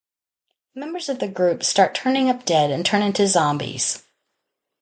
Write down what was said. Members of the group start turning up dead and turn into zombies.